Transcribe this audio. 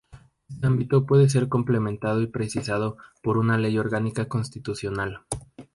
Este ámbito puede ser complementado y precisado por una ley orgánica constitucional.